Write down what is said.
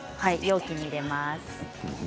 容器に入れます。